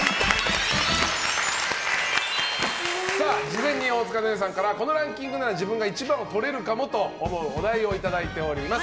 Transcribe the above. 事前に大塚寧々さんからこのランキングなら自分が１番をとれるかもと思うお題をいただいております。